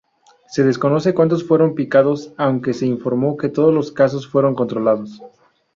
Se desconoce cuántos fueron picados, aunque se informó que todos los casos fueron controlados.